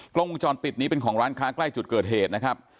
กล้องวงจรปิดนี้เป็นของร้านค้าใกล้จุดเกิดเหตุนะครับ